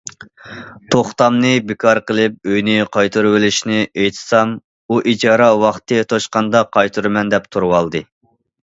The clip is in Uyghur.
توختامنى بىكار قىلىپ ئۆينى قايتۇرۇۋېلىشنى ئېيتسام، ئۇ ئىجارە ۋاقتى توشقاندا قايتۇرىمەن، دەپ تۇرۇۋالدى.